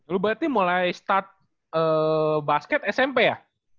lu berarti mulai start basket smp ya